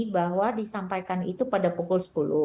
bahwa disampaikan itu pada pukul sepuluh